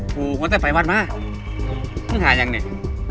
กูไม่ได้ไปวันมามึงหาหรือยังเนี่ย